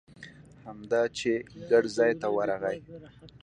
همدا چې ګټ ځای ته ورغی.